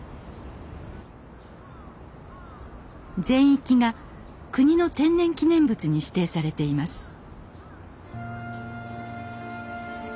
全域が国の天然記念物に指定されています